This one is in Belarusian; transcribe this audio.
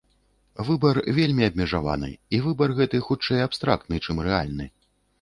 Выбар вельмі абмежаваны, і выбар гэты, хутчэй, абстрактны, чым рэальны.